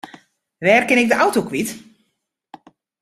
Wêr kin ik de auto kwyt?